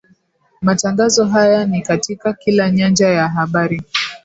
Matangazo haya ni katika kila nyanja ya habari